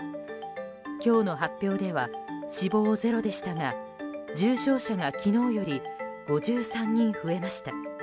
今日の発表では死亡０でしたが重症者が昨日より５３人増えました。